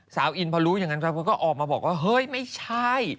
สาวอินพอรู้อย่างนั้นก็ออกมาบอกว่าเฮ้ยไม่ใช่